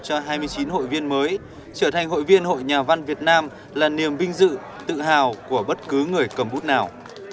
cho hai mươi chín hội viên mới trở thành hội viên hội nhà văn việt nam là niềm vinh dự tự hào của bất cứ người cầm bút nào